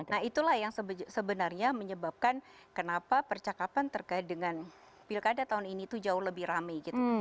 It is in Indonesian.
nah itulah yang sebenarnya menyebabkan kenapa percakapan terkait dengan pilkada tahun ini itu jauh lebih rame gitu